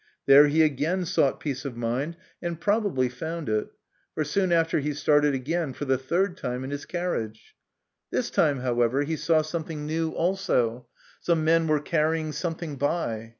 There he again sought peace of mind, and MY CONFESSION. 63 probably found it, for soon after he started again, for the third time, in his carriage. This time, however, he saw something new also some men were carrying something by.